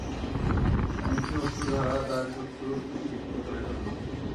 এমনকি অশ্রু-ধারা তার শত্রু সিক্ত করে ফেলল।